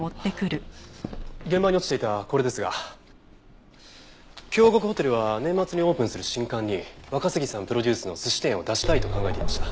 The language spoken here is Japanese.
現場に落ちていたこれですが京極ホテルは年末にオープンする新館に若杉さんプロデュースの寿司店を出したいと考えていました。